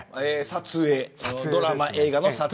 撮影、ドラマ、映画の撮影。